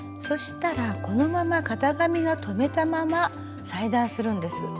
そしたらこのまま型紙を留めたまま裁断するんです。